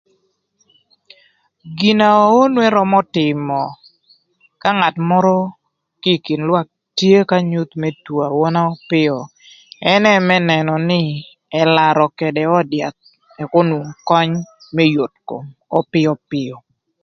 Gin na onu ërömö tïmö ka ngat mörö kï ï kin lwak tye k'anyuth më two awöna öpïö ënë më nënö nï ëlarö ködë öd yath ëk onwong köny më yot kom ökö öpïöpïö.